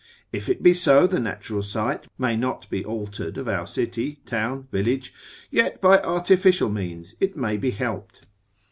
If it be so the natural site may not be altered of our city, town, village, yet by artificial means it may be helped.